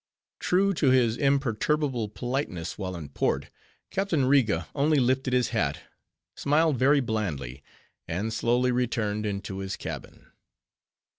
True to his imperturbable politeness while in port, Captain Riga only lifted his hat, smiled very blandly, and slowly returned into his cabin.